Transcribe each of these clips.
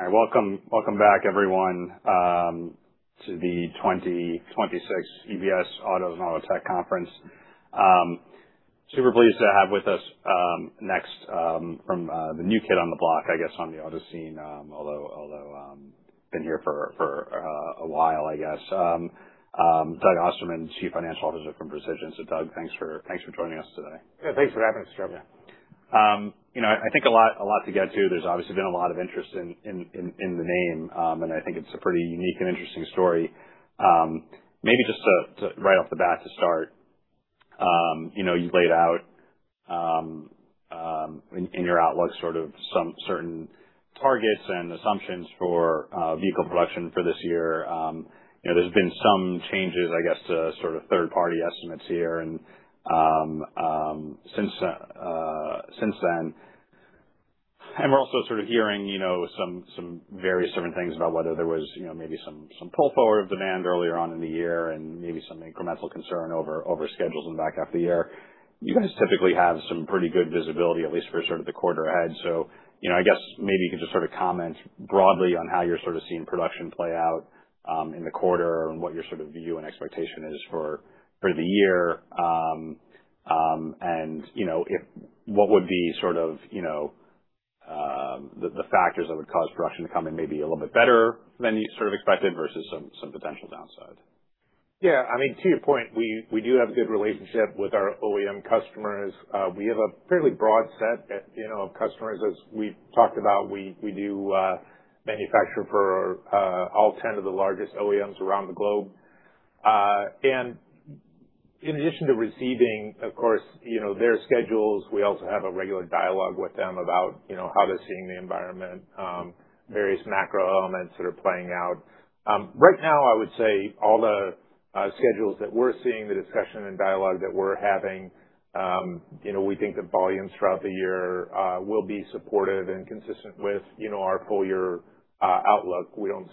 All right. Welcome back everyone to the 2026 UBS Auto and Auto Tech Conference. Super pleased to have with us next, from the new kid on the block, I guess, on the auto scene, although been here for a while, I guess. Douglas Ostermann, Chief Financial Officer from Versigent. Doug, thanks for joining us today. Yeah. Thanks for having us, Joe. I think a lot to get to. There's obviously been a lot of interest in the name, and I think it's a pretty unique and interesting story. Maybe just to, right off the bat to start, you laid out, in your outlook, some certain targets and assumptions for vehicle production for this year. There's been some changes, I guess, to third party estimates here since then. We're also hearing some various different things about whether there was maybe some pull forward of demand earlier on in the year and maybe some incremental concern over schedules in the back half of the year. You guys typically have some pretty good visibility, at least for the quarter ahead. I guess maybe you can just comment broadly on how you're seeing production play out in the quarter and what your view and expectation is for the year. What would be the factors that would cause production to come in maybe a little bit better than you expected versus some potential downside? Yeah. To your point, we do have a good relationship with our OEM customers. We have a fairly broad set of customers, as we've talked about. We do manufacture for all 10 of the largest OEMs around the globe. In addition to receiving, of course, their schedules, we also have a regular dialogue with them about how they're seeing the environment, various macro elements that are playing out. Right now, I would say all the schedules that we're seeing, the discussion and dialogue that we're having, we think the volumes throughout the year will be supportive and consistent with our full year outlook. We don't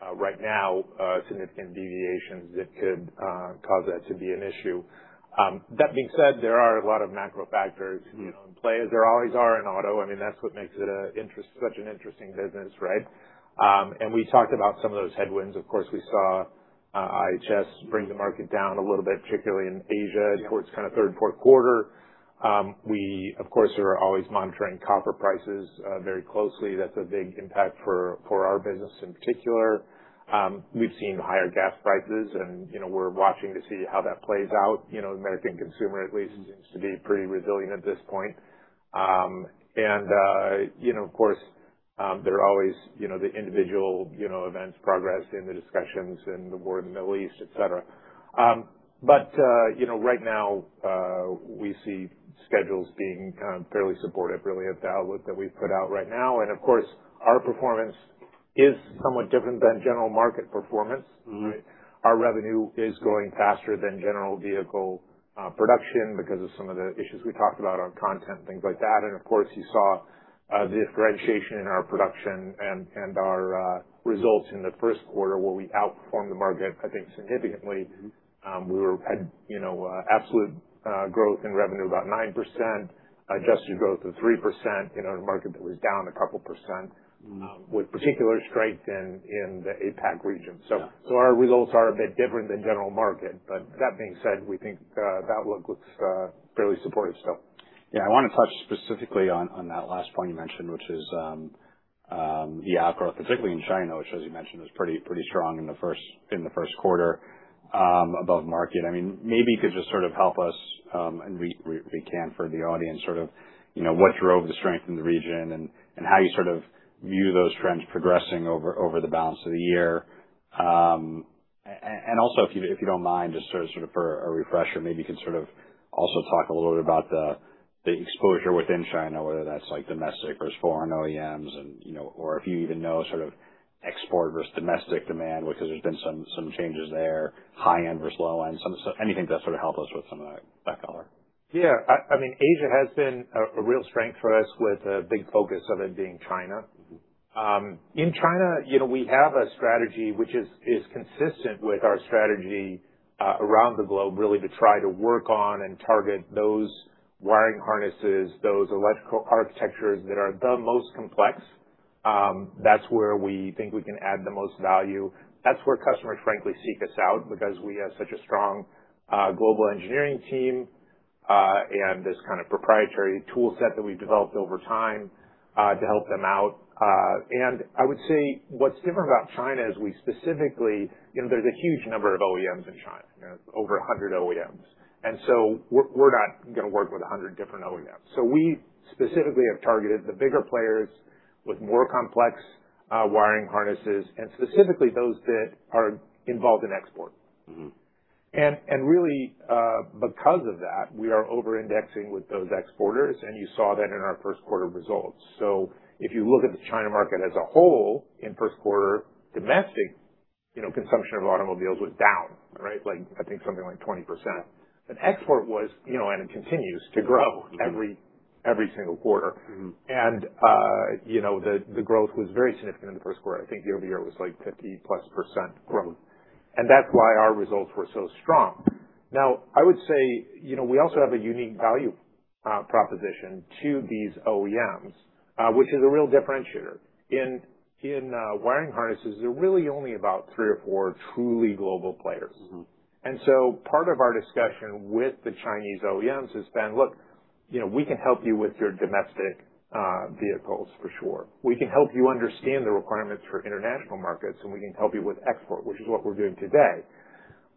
see, right now, significant deviations that could cause that to be an issue. That being said, there are a lot of macro factors in play, as there always are in auto. That's what makes it such an interesting business, right? We talked about some of those headwinds. Of course, we saw IHS bring the market down a little bit, particularly in Asia towards third and fourth quarter. We, of course, are always monitoring copper prices very closely. That's a big impact for our business in particular. We've seen higher gas prices, and we're watching to see how that plays out. The American consumer at least seems to be pretty resilient at this point. Of course, there are always the individual events, progress in the discussions in the war in the Middle East, et cetera. Right now, we see schedules being fairly supportive, really, of the outlook that we've put out right now. Of course, our performance is somewhat different than general market performance. Our revenue is growing faster than general vehicle production because of some of the issues we talked about on content and things like that. Of course, you saw the differentiation in our production and our results in the first quarter where we outperformed the market, I think significantly. We had absolute growth in revenue, about 9%, adjusted growth of 3%, in a market that was down a couple percent. With particular strength in the APAC region. Yeah. Our results are a bit different than general market. That being said, we think the outlook looks fairly supportive still. Yeah. I want to touch specifically on that last point you mentioned, which is the outlook, particularly in China, which as you mentioned, was pretty strong in the first quarter above market. Maybe you could just help us, and we can for the audience, what drove the strength in the region and how you view those trends progressing over the balance of the year. Also, if you don't mind, just for a refresher, maybe you could also talk a little bit about the exposure within China, whether that's domestic versus foreign OEMs or if you even know export versus domestic demand, because there's been some changes there, high-end versus low end. Anything to help us with some of that color. Yeah. Asia has been a real strength for us, with a big focus of it being China. In China, we have a strategy which is consistent with our strategy around the globe, really to try to work on and target those wiring harnesses, those electrical architectures that are the most complex. That's where we think we can add the most value. That's where customers frankly seek us out because we have such a strong global engineering team, and this kind of proprietary tool set that we've developed over time to help them out. I would say what's different about China is we specifically there's a huge number of OEMs in China, over 100 OEMs. We specifically have targeted the bigger players with more complex wiring harnesses, and specifically those that are involved in export. Really, because of that, we are over-indexing with those exporters, and you saw that in our first quarter results. If you look at the China market as a whole in first quarter, domestic consumption of automobiles was down, right? I think something like 20%. Export was, and it continues to grow every single quarter. The growth was very significant in the first quarter. I think year over year was 50-plus % growth, and that's why our results were so strong. Now, I would say, we also have a unique value proposition to these OEMs, which is a real differentiator. In wiring harnesses, there are really only about three or four truly global players. Part of our discussion with the Chinese OEMs has been, "Look, we can help you with your domestic vehicles for sure. We can help you understand the requirements for international markets, and we can help you with export," which is what we're doing today.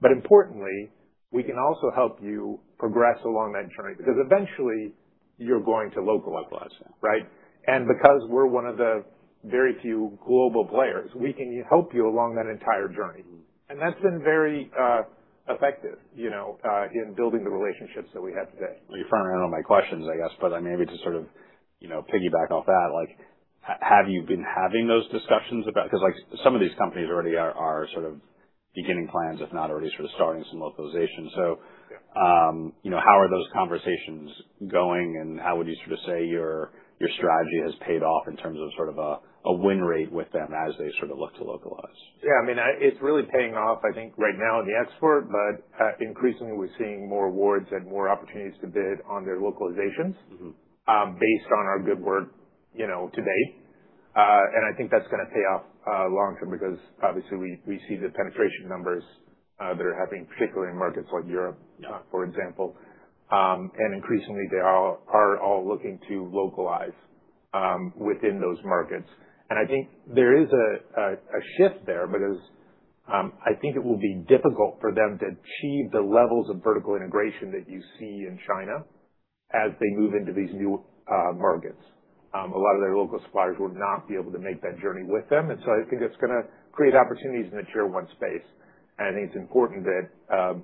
Importantly, we can also help you progress along that journey, because eventually you're going to localize. Localize Right? Because we're one of the very few global players, we can help you along that entire journey. That's been very effective in building the relationships that we have today. Well, you front-ended all my questions, I guess, but maybe to sort of piggyback off that, have you been having those discussions about Because some of these companies already are beginning plans, if not already starting some localization. Yeah. How are those conversations going, and how would you say your strategy has paid off in terms of a win rate with them as they look to localize? Yeah, it's really paying off, I think, right now in the export, but increasingly we're seeing more awards and more opportunities to bid on their localizations. Based on our good work to date. I think that's going to pay off long-term because obviously we see the penetration numbers they're having, particularly in markets like Europe. Yeah. for example. Increasingly they are all looking to localize within those markets. I think there is a shift there because I think it will be difficult for them to achieve the levels of vertical integration that you see in China as they move into these new markets. A lot of their local suppliers will not be able to make that journey with them. I think it's going to create opportunities in the Tier 1 space. I think it's important that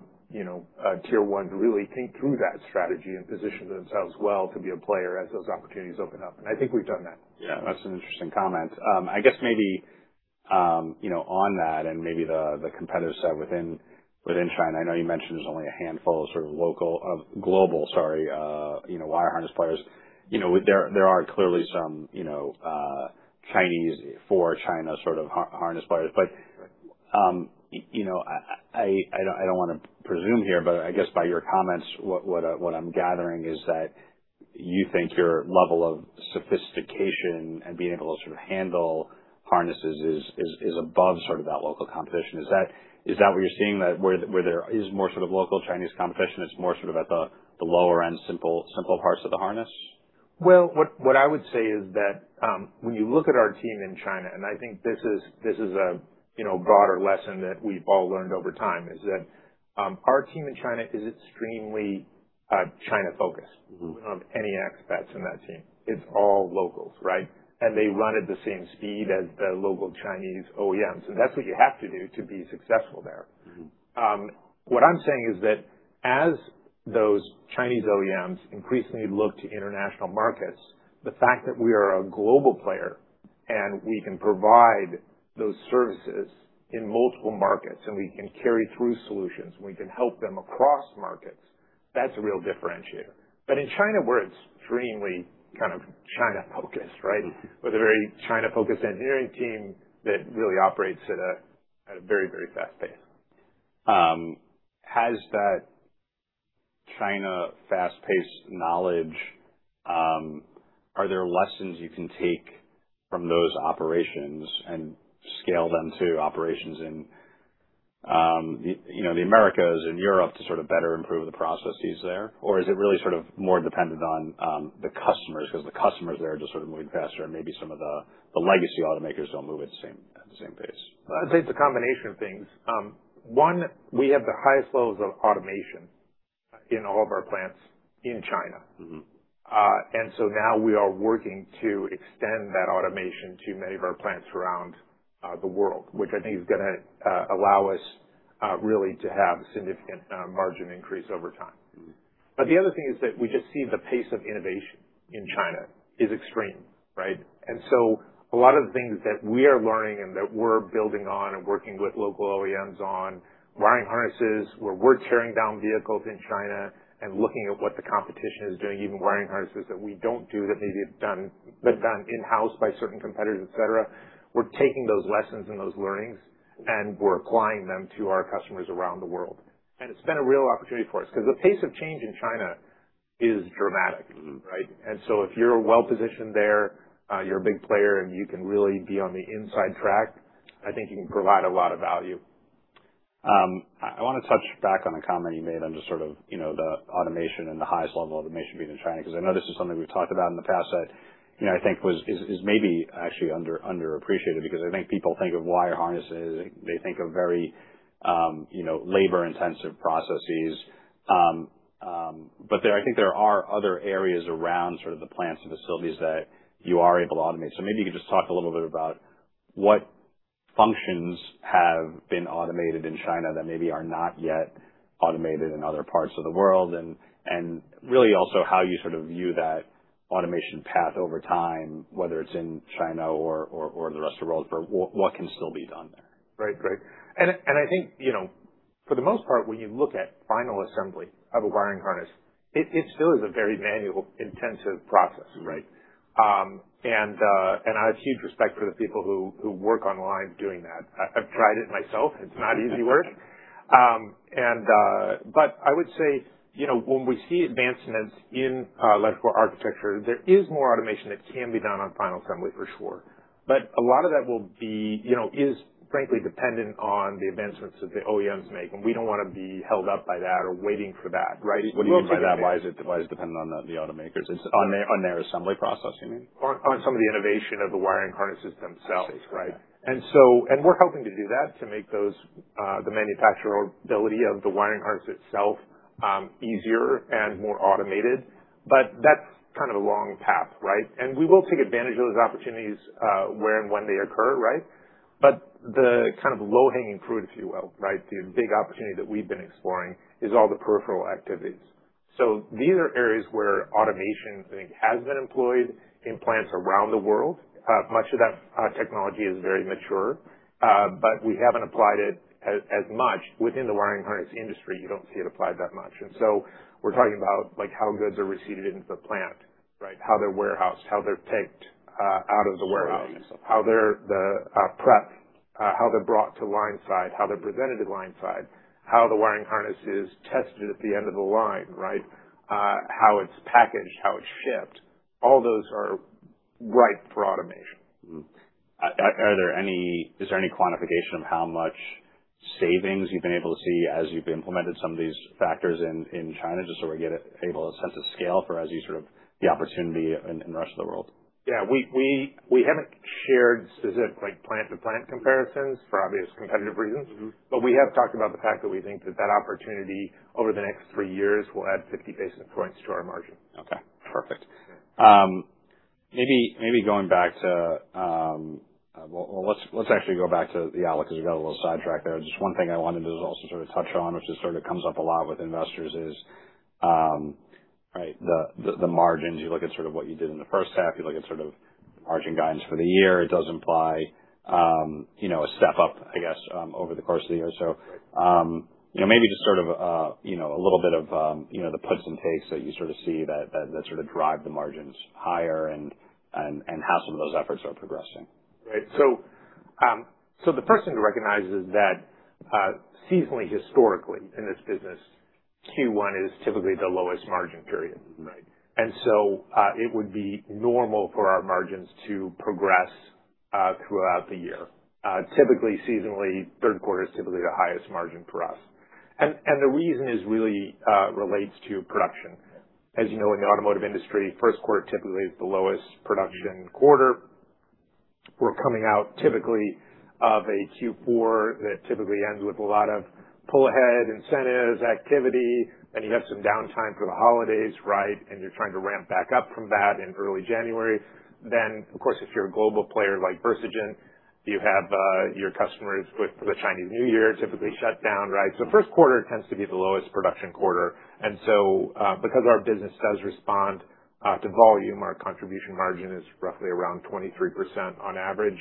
Tier 1 really think through that strategy and position themselves well to be a player as those opportunities open up. I think we've done that. Yeah. That's an interesting comment. I guess maybe on that and maybe the competitor set within China, I know you mentioned there's only a handful of global wire harness players. There are clearly some Chinese for China sort of harness players. Right. I don't want to presume here, but I guess by your comments what I'm gathering is that you think your level of sophistication and being able to handle harnesses is above that local competition. Is that what you're seeing, that where there is more local Chinese competition, it's more at the lower end, simple parts of the harness? Well, what I would say is that when you look at our team in China, and I think this is a broader lesson that we've all learned over time, is that our team in China is extremely China-focused. Any expats in that team. It's all locals, right? They run at the same speed as the local Chinese OEMs. That's what you have to do to be successful there. What I'm saying is that as those Chinese OEMs increasingly look to international markets, the fact that we are a global player, and we can provide those services in multiple markets, and we can carry through solutions, and we can help them across markets, that's a real differentiator. In China, we're extremely China-focused, right? With a very China-focused engineering team that really operates at a very fast pace. Has that China fast-paced knowledge, are there lessons you can take from those operations and scale them to operations in the Americas and Europe to better improve the processes there? Or is it really more dependent on the customers, because the customers there are just moving faster and maybe some of the legacy automakers don't move at the same pace? I'd say it's a combination of things. One, we have the highest levels of automation in all of our plants in China. Now we are working to extend that automation to many of our plants around the world, which I think is going to allow us really to have significant margin increase over time. The other thing is that we just see the pace of innovation in China is extreme. Right. A lot of the things that we are learning and that we're building on and working with local OEMs on, wiring harnesses, where we're tearing down vehicles in China and looking at what the competition is doing, even wiring harnesses that we don't do, that maybe have been done in-house by certain competitors, et cetera. We're taking those lessons and those learnings, and we're applying them to our customers around the world. It's been a real opportunity for us because the pace of change in China is dramatic. Right? If you're well-positioned there, you're a big player, and you can really be on the inside track, I think you can provide a lot of value. I want to touch back on a comment you made on just the automation and the highest level of automation being in China, because I know this is something we've talked about in the past that I think is maybe actually underappreciated because I think people think of wire harnesses, they think of very labor-intensive processes. I think there are other areas around the plants and facilities that you are able to automate. Maybe you could just talk a little bit about what functions have been automated in China that maybe are not yet automated in other parts of the world, and really also how you view that automation path over time, whether it's in China or the rest of the world. What can still be done there? Right. I think, for the most part, when you look at final assembly of a wiring harness, it still is a very manual-intensive process, right? Mm-hmm. I have huge respect for the people who work on the line doing that. I've tried it myself. It's not easy work. I would say, when we see advancements in electrical architecture, there is more automation that can be done on final assembly, for sure. A lot of that is frankly dependent on the advancements that the OEMs make, and we don't want to be held up by that or waiting for that. Right? What do you mean by that? Why is it dependent on the automakers? On their assembly process, you mean? On some of the innovation of the wiring harnesses themselves. I see. Okay. We're helping to do that, to make the manufacturability of the wiring harness itself easier and more automated. That's kind of a long path, right? We will take advantage of those opportunities where and when they occur, right? The kind of low-hanging fruit, if you will, the big opportunity that we've been exploring is all the peripheral activities. These are areas where automation, I think, has been employed in plants around the world. Much of that technology is very mature, but we haven't applied it as much within the wiring harness industry. You don't see it applied that much. We're talking about how goods are received into the plant, how they're warehoused, how they're picked out of the warehouse, how they're prepped, how they're brought to line side, how they're presented at line side, how the wiring harness is tested at the end of the line. How it's packaged, how it's shipped. All those are ripe for automation. Is there any quantification of how much savings you've been able to see as you've implemented some of these factors in China, just so we get a sense of scale for the opportunity in the rest of the world? Yeah. We haven't shared specific plant-to-plant comparisons for obvious competitive reasons. We have talked about the fact that we think that that opportunity over the next three years will add 50 basis points to our margin. Okay, perfect. Let's actually go back to the outlook because we got a little sidetracked there. Just one thing I wanted to also sort of touch on, which just sort of comes up a lot with investors is the margins. You look at sort of what you did in the first half. You look at sort of margin guidance for the year. It does imply a step up, I guess, over the course of the year or so. Right. Maybe just a little bit of the puts and takes that you sort of see that drive the margins higher and how some of those efforts are progressing. Right. The first thing to recognize is that seasonally, historically, in this business, Q1 is typically the lowest margin period. Right. It would be normal for our margins to progress throughout the year. Typically, seasonally, third quarter is typically the highest margin for us. The reason is really relates to production. As you know, in the automotive industry, first quarter typically is the lowest production quarter. We're coming out typically of a Q4 that typically ends with a lot of pull ahead incentives, activity, you have some downtime for the holidays. You're trying to ramp back up from that in early January. Of course, if you're a global player like Versigent, you have your customers with the Chinese New Year typically shut down, right? First quarter tends to be the lowest production quarter. Because our business does respond to volume, our contribution margin is roughly around 23% on average.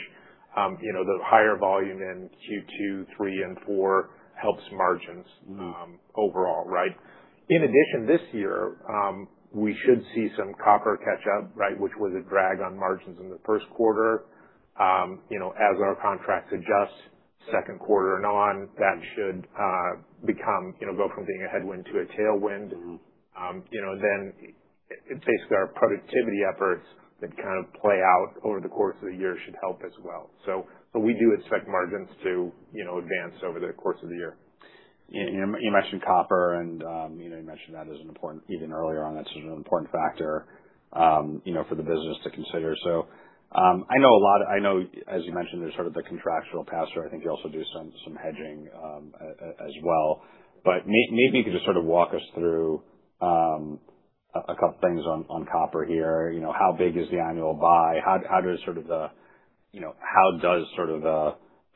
The higher volume in Q2, Q3, and Q4 helps margins overall. In addition, this year, we should see some copper catch up, which was a drag on margins in the first quarter. As our contracts adjust second quarter and on, that should go from being a headwind to a tailwind. It's basically our productivity efforts that kind of play out over the course of the year should help as well. We do expect margins to advance over the course of the year. You mentioned copper and you mentioned that as an important, even earlier on, that's an important factor for the business to consider. I know as you mentioned, there's sort of the contractual pass through. I think you also do some hedging as well. Maybe you could just sort of walk us through a couple of things on copper here. How big is the annual buy? How does the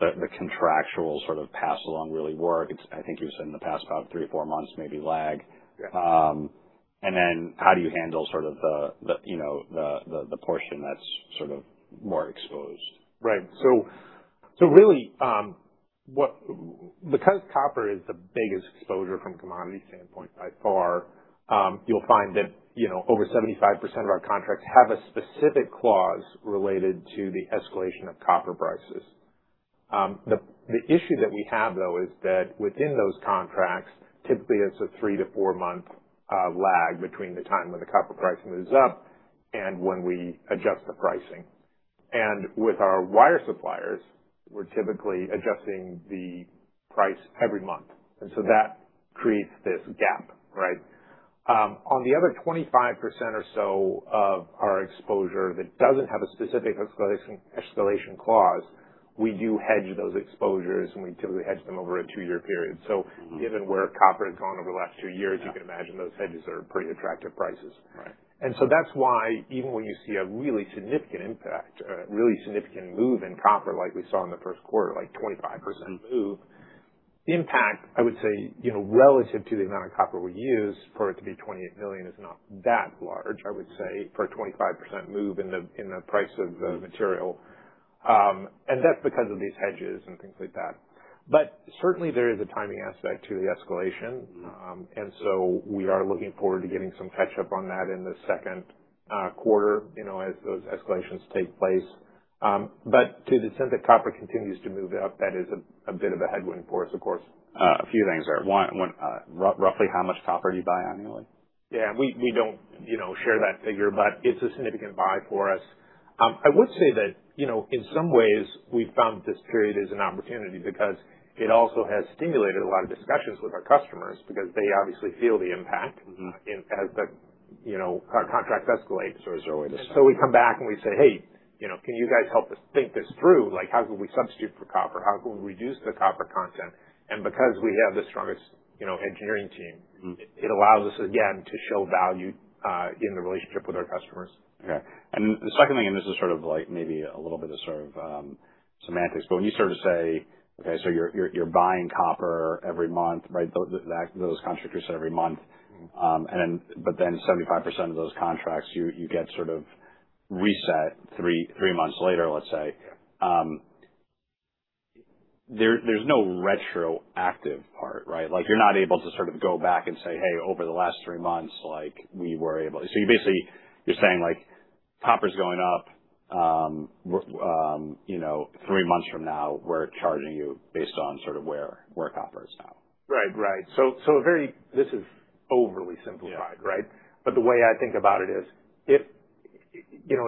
contractual sort of pass along really work? I think you said in the past about three or four months maybe lag. Yeah. How do you handle sort of the portion that's sort of more exposed? Right. Really, because copper is the biggest exposure from a commodity standpoint by far, you'll find that over 75% of our contracts have a specific clause related to the escalation of copper prices. The issue that we have, though, is that within those contracts, typically it's a three to four-month lag between the time when the copper price moves up and when we adjust the pricing. With our wire suppliers, we're typically adjusting the price every month. That creates this gap. On the other 25% or so of our exposure that doesn't have a specific escalation clause, we do hedge those exposures, and we typically hedge them over a two-year period. Given where copper has gone over the last two years, you can imagine those hedges are pretty attractive prices. Right. That's why even when you see a really significant impact, a really significant move in copper like we saw in the first quarter, like 25% move, the impact, I would say, relative to the amount of copper we use for it to be $28 million is not that large, I would say, for a 25% move in the price of the material. That's because of these hedges and things like that. Certainly, there is a timing aspect to the escalation. We are looking forward to getting some catch up on that in the second quarter as those escalations take place. To the extent that copper continues to move up, that is a bit of a headwind for us, of course. A few things there. One, roughly how much copper do you buy annually? Yeah. We don't share that figure, but it's a significant buy for us. I would say that, in some ways, we've found this period is an opportunity because it also has stimulated a lot of discussions with our customers because they obviously feel the impact as our contracts escalate. It's early to say. We come back and we say, "Hey. Can you guys help us think this through? Like, how can we substitute for copper? How can we reduce the copper content?" Because we have the strongest engineering team, it allows us, again, to show value in the relationship with our customers. Okay. The second thing, and this is sort of maybe a little bit of sort of semantics, but when you sort of say you're buying copper every month, right? Those contracts reset every month. Then 75% of those contracts, you get sort of reset three months later, let's say. Yeah. There's no retroactive part, right? Like, you're not able to sort of go back and say, "Hey, over the last three months, we were able." Basically, you're saying copper's going up. Three months from now, we're charging you based on sort of where copper is now. Right. This is overly simplified, right? The way I think about it is, if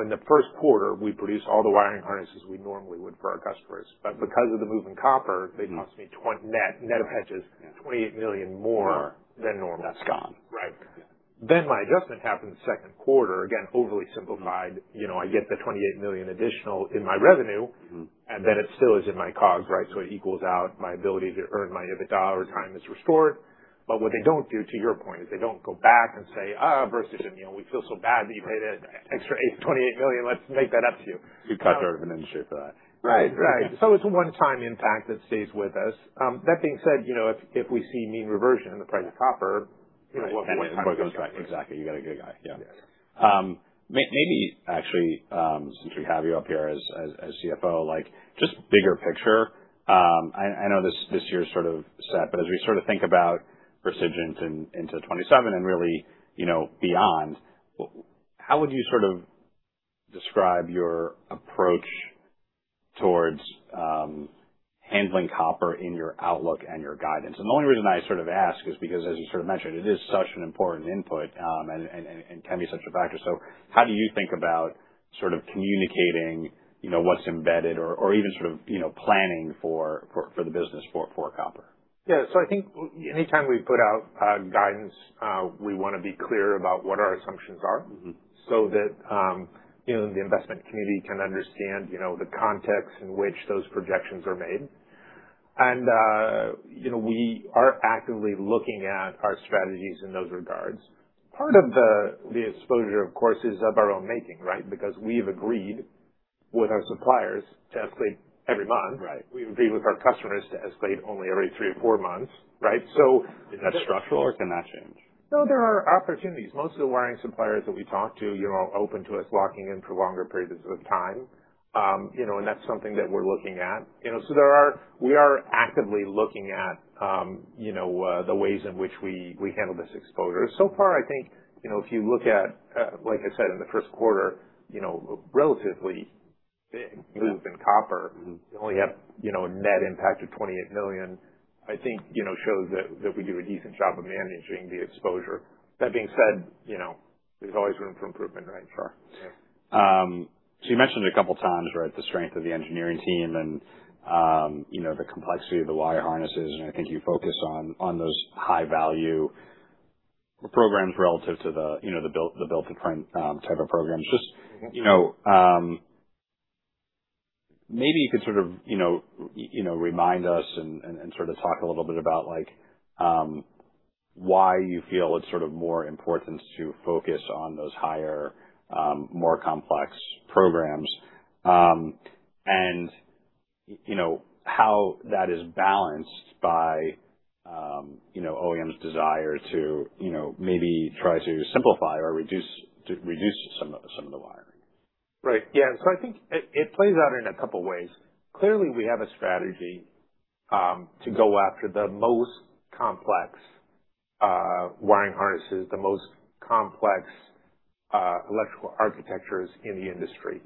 in the first quarter, we produce all the wiring harnesses we normally would for our customers, but because of the move in copper, they cost me net of hedges, $28 million more than normal. That's gone. Right. Yeah. My adjustment happened the second quarter. Again, overly simplified. I get the $28 million additional in my revenue, and then it still is in my COGS, right? It equals out my ability to earn money at the dollar time is restored. What they don't do, to your point, is they don't go back and say, "Versigent, we feel so bad that you paid that extra $28 million. Let's make that up to you. You'd cut third of an industry for that. Right. It's a one-time impact that stays with us. That being said, if we see mean reversion in the price of copper. Exactly. You got a good guy. Yeah. Yeah. Maybe actually, since we have you up here as CFO, just bigger picture. I know this year's sort of set, but as we sort of think about Versigent into 2027 and really beyond, how would you sort of describe your approach towards handling copper in your outlook and your guidance? The only reason I sort of ask is because as you sort of mentioned, it is such an important input and can be such a factor. How do you think about sort of communicating what's embedded or even sort of planning for the business for copper? Yeah. I think anytime we put out guidance, we want to be clear about what our assumptions are so that the investment community can understand the context in which those projections are made. We are actively looking at our strategies in those regards. Part of the exposure, of course, is of our own making, right? Because we've agreed with our suppliers to escalate every month. Right. We've agreed with our customers to escalate only every three or four months, right? Is that structural or can that change? No, there are opportunities. Most of the wiring suppliers that we talk to are open to us locking in for longer periods of time. That's something that we're looking at. We are actively looking at the ways in which we handle this exposure. Far, I think if you look at, like I said, in the first quarter, relatively big move in copper, you only have a net impact of $28 million, I think shows that we do a decent job of managing the exposure. That being said, there's always room for improvement, right? Sure. Yeah. You mentioned it a couple of times, right? The strength of the engineering team and the complexity of the wire harnesses, I think you focus on those high-value programs relative to the build-to-print type of programs. Just maybe you could sort of remind us and sort of talk a little bit about why you feel it's sort of more important to focus on those higher, more complex programs, and how that is balanced by OEM's desire to maybe try to simplify or reduce some of the wiring. Right. Yeah. I think it plays out in a couple of ways. Clearly, we have a strategy to go after the most complex wiring harnesses, the most complex electrical architectures in the industry.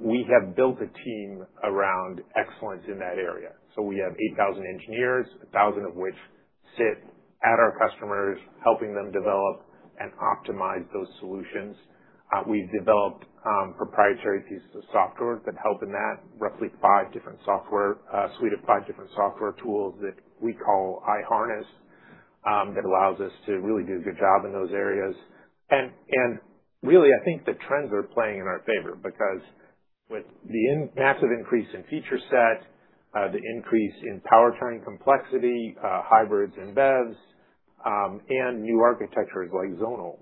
We have built a team around excellence in that area. We have 8,000 engineers, 1,000 of which sit at our customers, helping them develop and optimize those solutions. We've developed proprietary pieces of software that help in that. Roughly a suite of five different software tools that we call iHarness, that allows us to really do a good job in those areas. Really, I think the trends are playing in our favor because with the massive increase in feature set, the increase in powertrain complexity, hybrids and BEVs, and new architectures like zonal architecture.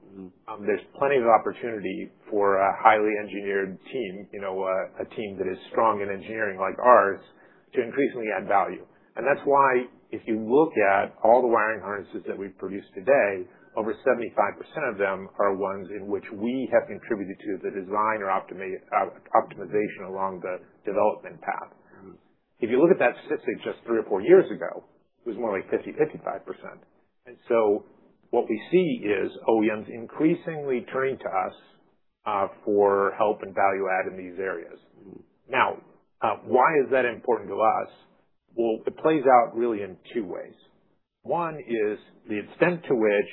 There's plenty of opportunity for a highly engineered team, a team that is strong in engineering like ours, to increasingly add value. That's why if you look at all the wiring harnesses that we produce today, over 75% of them are ones in which we have contributed to the design or optimization along the development path. If you look at that statistic just three or four years ago, it was more like 50%-55%. What we see is OEMs increasingly turning to us for help and value-add in these areas. Now, why is that important to us? Well, it plays out really in two ways. One is the extent to which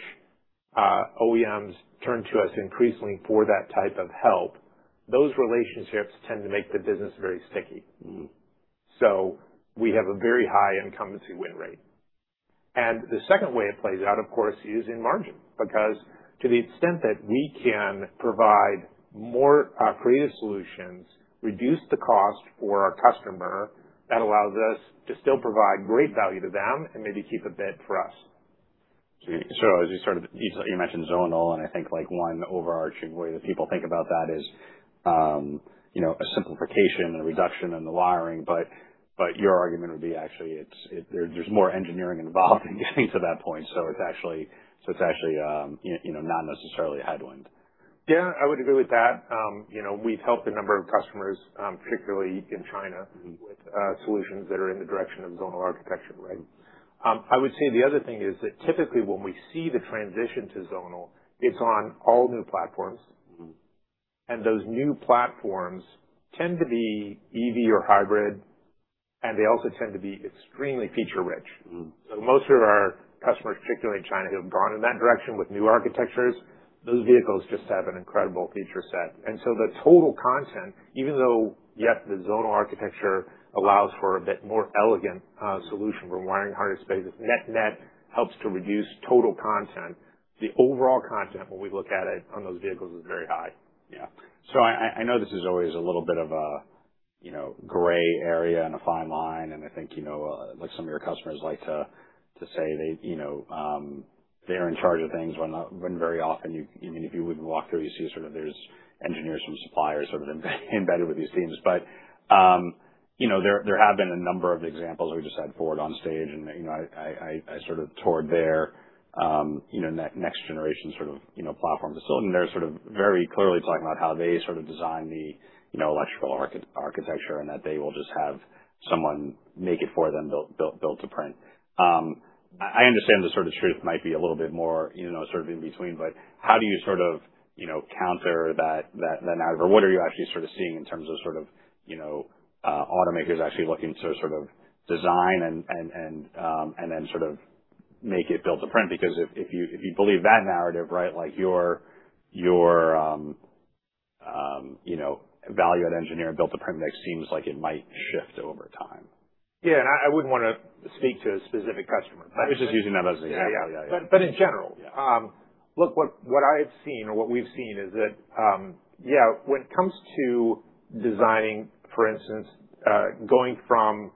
OEMs turn to us increasingly for that type of help, those relationships tend to make the business very sticky. Mm hm. We have a very high incumbency win rate. The second way it plays out, of course, is in margin, because to the extent that we can provide more creative solutions, reduce the cost for our customer, that allows us to still provide great value to them and maybe keep a bit for us. Sure. You mentioned zonal, and I think one overarching way that people think about that is a simplification and a reduction in the wiring. Your argument would be actually, there's more engineering involved in getting to that point. It's actually not necessarily a headwind. Yeah, I would agree with that. We've helped a number of customers, particularly in China. with solutions that are in the direction of zonal architecture, right? I would say the other thing is that typically when we see the transition to zonal, it's on all new platforms. Those new platforms tend to be EV or hybrid, and they also tend to be extremely feature-rich. Most of our customers, particularly in China, who have gone in that direction with new architectures, those vehicles just have an incredible feature set. The total content, even though, yes, the zonal architecture allows for a bit more elegant solution for wiring hardware space, net helps to reduce total content. The overall content when we look at it on those vehicles is very high. Yeah. I know this is always a little bit of a gray area and a fine line, and I think some of your customers like to say they're in charge of things when very often, even if you were to walk through, you see there's engineers from suppliers sort of embedded with these teams. There have been a number of examples. We just had Ford on stage, and I sort of toured their next generation platform. They're very clearly talking about how they design the electrical architecture, and that they will just have someone make it for them build to print. I understand the sort of truth might be a little bit more in between, how do you counter that narrative, or what are you actually seeing in terms of automakers actually looking to design and then sort of make it build to print? If you believe that narrative, your value-add engineer build to print mix seems like it might shift over time. Yeah, I wouldn't want to speak to a specific customer. I was just using that as an example. Yeah. Yeah. But in general- Yeah. look, what I have seen or what we've seen is that when it comes to designing, for instance, going from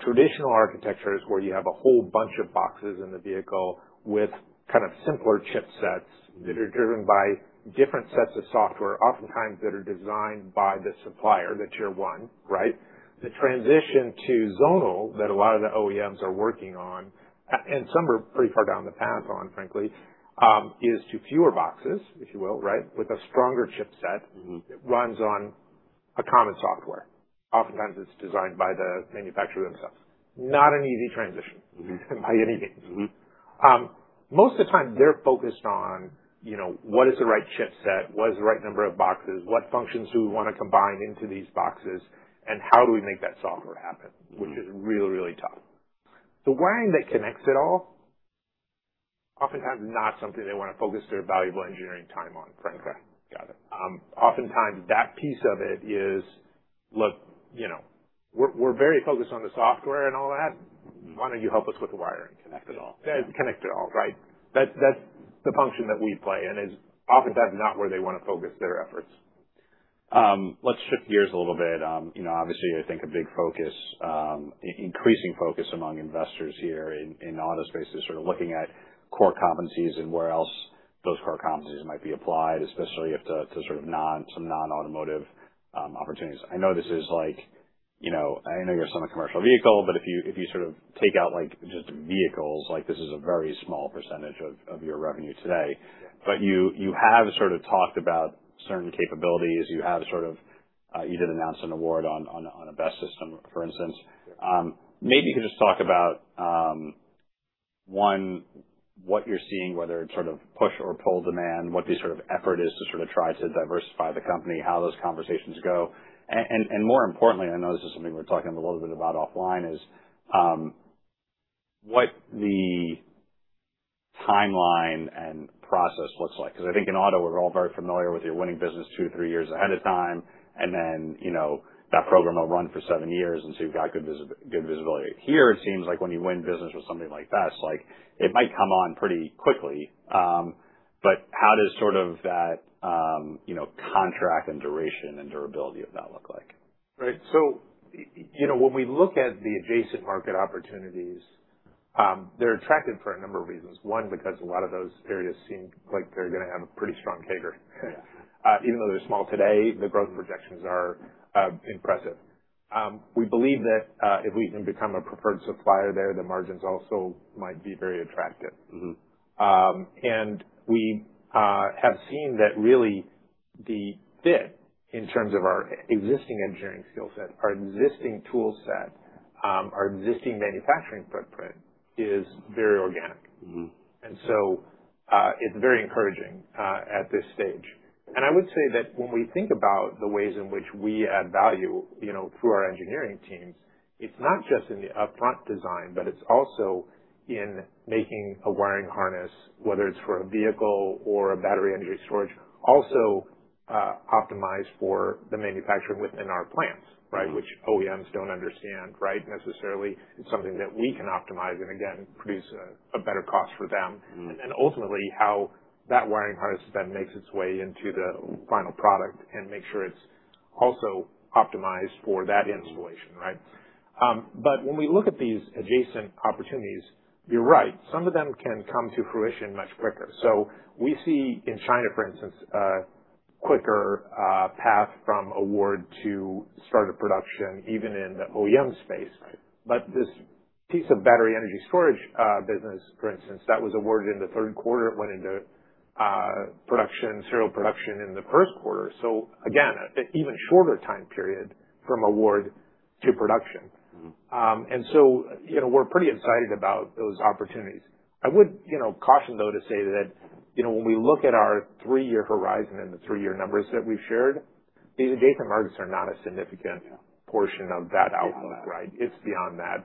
traditional architectures where you have a whole bunch of boxes in the vehicle with kind of simpler chipsets that are driven by different sets of software, oftentimes that are designed by the supplier, the Tier 1, right? The transition to Zonal that a lot of the OEMs are working on, and some are pretty far down the path on, frankly, is to fewer boxes, if you will, with a stronger chipset. That runs on a common software. Oftentimes, it's designed by the manufacturer themselves. Not an easy transition by any means. Most of the time, they're focused on what is the right chipset, what is the right number of boxes, what functions do we want to combine into these boxes, and how do we make that software happen? Which is really tough. The wiring that connects it all oftentimes not something they want to focus their valuable engineering time on, frankly. Got it. Oftentimes, that piece of it is, "Look, we're very focused on the software and all that. Why don't you help us with the wiring? Connect it all. Connect it all. That's the function that we play, and is oftentimes not where they want to focus their efforts. Let's shift gears a little bit. I think a big focus, increasing focus among investors here in the auto space is sort of looking at core competencies and where else those core competencies might be applied, especially to some non-automotive opportunities. I know you're selling a commercial vehicle, if you take out just vehicles, this is a very small percentage of your revenue today. Yeah. You have sort of talked about certain capabilities. You did announce an award on a BESS system, for instance. Yeah. Maybe you could just talk about, one, what you're seeing, whether it's sort of push or pull demand, what the sort of effort is to try to diversify the company, how those conversations go. More importantly, I know this is something we were talking a little bit about offline, is what the timeline and process looks like. I think in auto, we're all very familiar with you're winning business two, three years ahead of time, and then that program will run for seven years, and so you've got good visibility. Here, it seems like when you win business with somebody like that, it might come on pretty quickly. How does that contract and duration and durability of that look like? Right. When we look at the adjacent market opportunities, they're attractive for a number of reasons. One, because a lot of those areas seem like they're going to have a pretty strong CAGR. Yeah. Even though they're small today, the growth projections are impressive. We believe that if we can become a preferred supplier there, the margins also might be very attractive. We have seen that really the fit in terms of our existing engineering skill set, our existing tool set, our existing manufacturing footprint is very organic. It's very encouraging at this stage. I would say that when we think about the ways in which we add value through our engineering teams, it's not just in the upfront design, but it's also in making a wiring harness, whether it's for a vehicle or a battery energy storage, also optimized for the manufacturing within our plants. Which OEMs don't understand necessarily. It's something that we can optimize and again, produce a better cost for them. Ultimately how that wiring harness then makes its way into the final product and make sure it's also optimized for that installation. When we look at these adjacent opportunities, you're right, some of them can come to fruition much quicker. We see in China, for instance, a quicker path from award to start of production, even in the OEM space. This piece of battery energy storage business, for instance, that was awarded in the third quarter, it went into serial production in the first quarter. Again, an even shorter time period from award to production. We're pretty excited about those opportunities. I would caution, though, to say that when we look at our three-year horizon and the three-year numbers that we've shared, these adjacent markets are not a significant portion of that outlook. Beyond that. It's beyond that.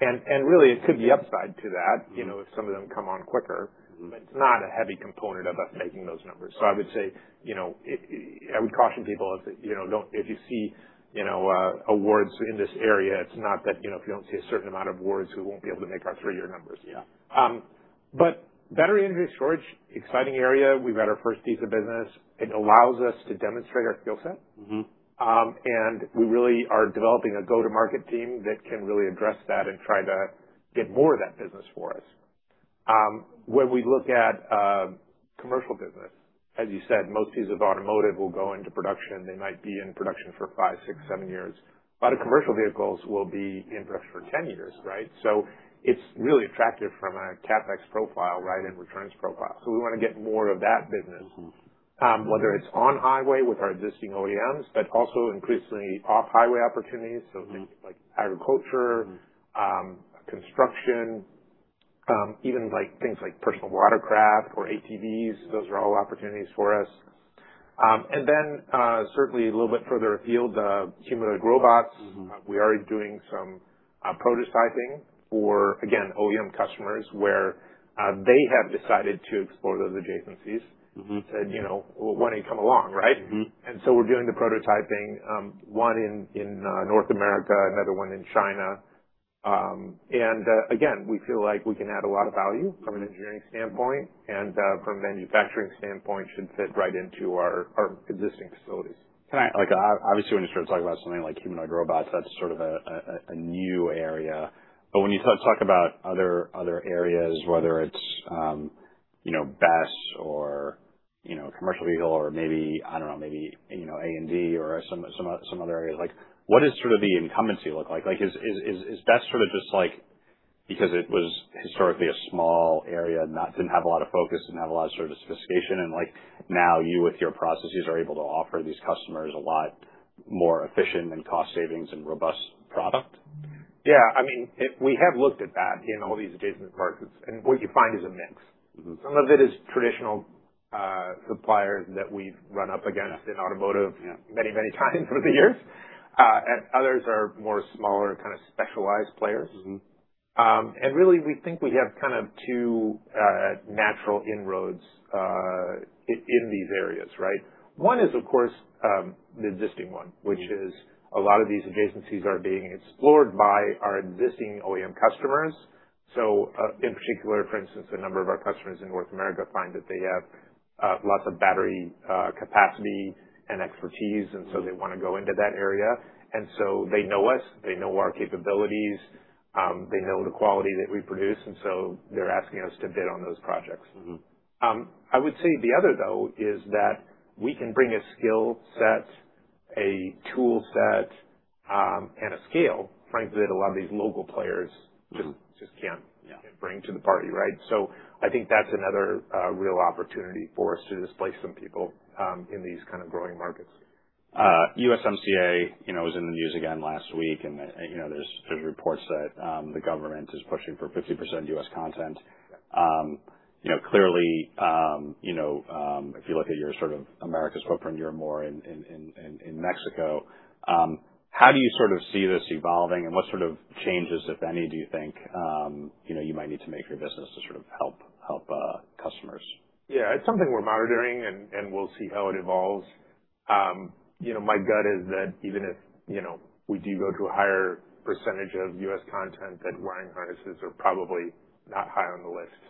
Really, it could be upside to that. If some of them come on quicker. It's not a heavy component of us making those numbers. I would say, I would caution people, if you see awards in this area, it's not that if you don't see a certain amount of awards, we won't be able to make our three-year numbers. Yeah. Battery energy storage, exciting area. We've had our first piece of business. It allows us to demonstrate our skill set. We really are developing a go-to-market team that can really address that and try to get more of that business for us. When we look at commercial business, as you said, most pieces of automotive will go into production. They might be in production for five, six, seven years. A lot of commercial vehicles will be in production for 10 years, right? It's really attractive from a CapEx profile and returns profile. We want to get more of that business. Whether it's on-highway with our existing OEMs, but also increasingly off-highway opportunities. Think like agriculture, construction, even things like personal watercraft or ATVs, those are all opportunities for us. Then, certainly a little bit further afield, humanoid robots. We are doing some prototyping for, again, OEM customers, where they have decided to explore those adjacencies. said, "Well, why don't you come along?" Right? We're doing the prototyping, one in North America, another one in China. Again, we feel like we can add a lot of value from an engineering standpoint, and from a manufacturing standpoint should fit right into our existing facilities. Obviously, when you start talking about something like humanoid robots, that's sort of a new area. When you talk about other areas, whether it's BESS or commercial vehicle or maybe, I don't know, maybe A&D or some other areas. What does sort of the incumbency look like? Is that sort of just like because it was historically a small area and didn't have a lot of focus and have a lot of sort of sophistication and now you with your processes are able to offer these customers a lot more efficient and cost savings and robust product? Yeah, I mean, we have looked at that in all these adjacent markets, and what you find is a mix. Some of it is traditional suppliers that we've run up against in automotive. Yeah. Many, many times over the years. Others are more smaller, kind of specialized players. Really, we think we have kind of two natural inroads in these areas, right? One is, of course, the existing one. Which is a lot of these adjacencies are being explored by our existing OEM customers. In particular, for instance, a number of our customers in North America find that they have lots of battery capacity and expertise, they want to go into that area. They know us, they know our capabilities, they know the quality that we produce, they're asking us to bid on those projects. I would say the other, though, is that we can bring a skill set, a tool set, and a scale, frankly, that a lot of these local players just can't. Yeah. Bring to the party, right? I think that's another real opportunity for us to displace some people in these kind of growing markets. USMCA was in the news again last week, and there's reports that the government is pushing for 50% U.S. content. Clearly, if you look at your sort of Americas footprint, you're more in Mexico. How do you sort of see this evolving, and what sort of changes, if any, do you think you might need to make your business to sort of help customers? Yeah, it's something we're monitoring, and we'll see how it evolves. My gut is that even if we do go to a higher percentage of U.S. content, that wiring harnesses are probably not high on the list.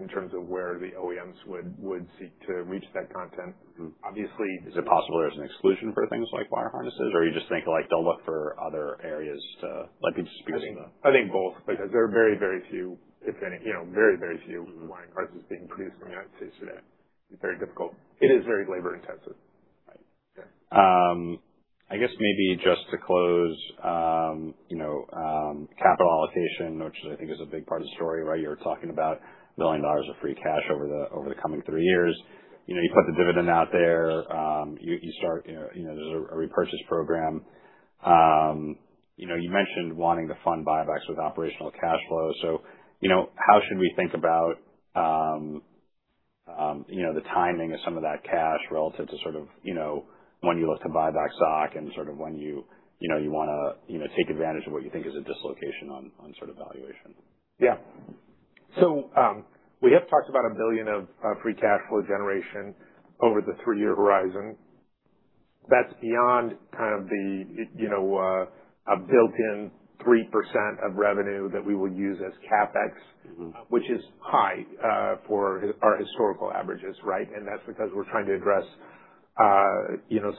in terms of where the OEMs would seek to reach that content. Obviously- Is it possible there's an exclusion for things like wire harnesses, or you just think they'll look for other areas to like just boost. I think both, because there are very, very few, if any, very, very few wiring harnesses being produced in the U.S. today. It's very difficult. It is very labor intensive. Sure. I guess maybe just to close, capital allocation, which I think is a big part of the story, right? You were talking about billion dollars of free cash over the coming three years. You put the dividend out there. There's a repurchase program. You mentioned wanting to fund buybacks with operational cash flows. How should we think about the timing of some of that cash relative to when you look to buy back stock and when you want to take advantage of what you think is a dislocation on valuation? Yeah. We have talked about $1 billion of free cash flow generation over the three-year horizon. That's beyond kind of a built-in 3% of revenue that we would use as CapEx- which is high for our historical averages, right? That's because we're trying to address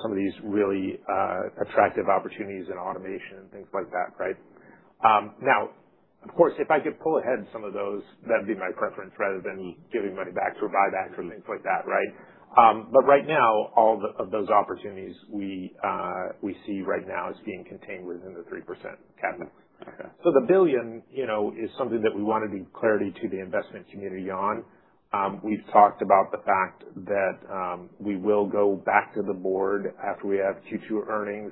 some of these really attractive opportunities in automation and things like that, right? Now, of course, if I could pull ahead some of those, that'd be my preference, rather than giving money back through buybacks or things like that, right? Right now, all of those opportunities we see right now as being contained within the 3% CapEx. Okay. The $1 billion is something that we wanted the clarity to the investment community on. We've talked about the fact that we will go back to the board after we have Q2 earnings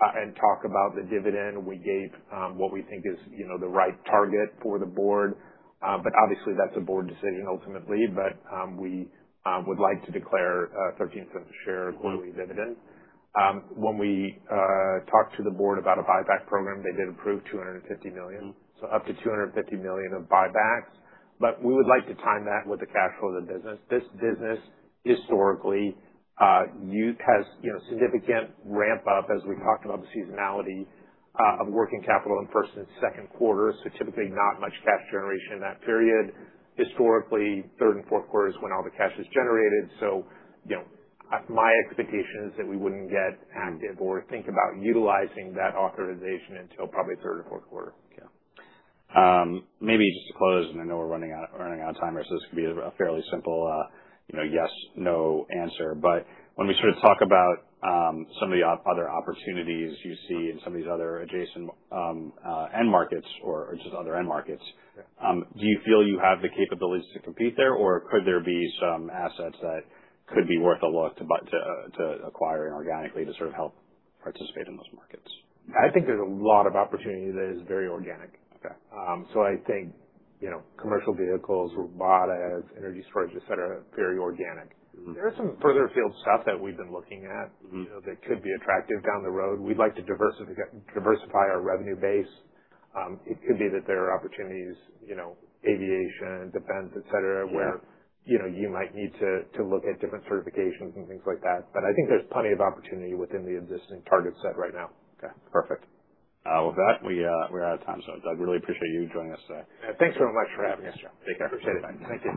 and talk about the dividend. We gave what we think is the right target for the board. Obviously, that's a board decision ultimately. We would like to declare $0.13 a share quarterly dividend. When we talked to the board about a buyback program, they did approve $250 million. Up to $250 million of buybacks. We would like to time that with the cash flow of the business. This business historically has significant ramp up as we talked about the seasonality of working capital in first and second quarters, so typically not much cash generation in that period. Historically, third and fourth quarter is when all the cash is generated. My expectation is that we wouldn't get active or think about utilizing that authorization until probably third or fourth quarter. Okay. Maybe just to close, and I know we're running out of time here, so this can be a fairly simple yes/no answer. When we talk about some of the other opportunities you see in some of these other adjacent end markets or just other end markets. Yeah. Do you feel you have the capabilities to compete there? Could there be some assets that could be worth a look to acquire inorganically to help participate in those markets? I think there's a lot of opportunity that is very organic. Okay. I think commercial vehicles, robotics, energy storage, et cetera, very organic. There are some further afield stuff that we've been looking at. That could be attractive down the road. We'd like to diversify our revenue base. It could be that there are opportunities, aviation, defense, et cetera. Sure. Where you might need to look at different certifications and things like that. I think there's plenty of opportunity within the existing target set right now. Okay, perfect. With that, we're out of time. Doug, really appreciate you joining us today. Thanks very much for having us, Joe. Take care. Appreciate it. Thank you.